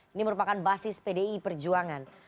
ini merupakan basis pdi perjuangan